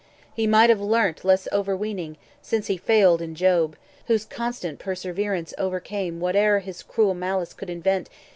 He might have learnt Less overweening, since he failed in Job, Whose constant perseverance overcame Whate'er his cruel malice could invent.